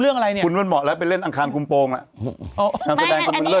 เพราะคุณแล้วมันรู้มากกว่าข่าวนี้